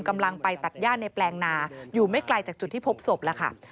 กำลังไปตัดย่าในแปลงนาอยู่ไม่ไกลจากจุดที่พบศพแล้วค่ะ